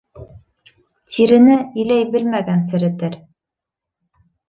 Тирене иләй белмәгән серетер.